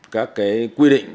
các cái quy định